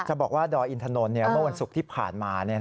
จะบอกว่าดรอินทรนมันวันศุกร์ที่ผ่านมา